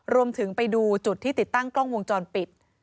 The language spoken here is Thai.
ไปดูจุดที่ติดตั้งกล้องวงจรปิด